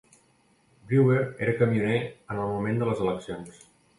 Brewer era camioner en el moment de les eleccions.